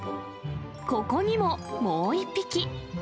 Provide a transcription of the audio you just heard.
ここにももう１匹。